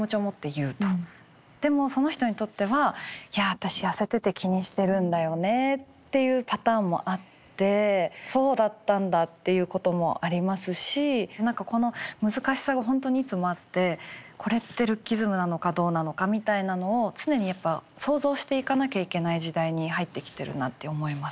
でもその人にとってはいや私痩せてて気にしてるんだよねっていうパターンもあってそうだったんだっていうこともありますし何かこの難しさが本当にいつもあってこれってルッキズムなのかどうなのかみたいなのを常にやっぱ想像していかなきゃいけない時代に入ってきてるなって思います。